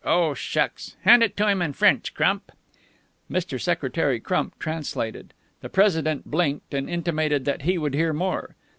Oh, shucks! Hand it to him in French, Crump." Mr. Secretary Crump translated. The President blinked, and intimated that he would hear more.